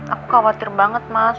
aku khawatir banget mas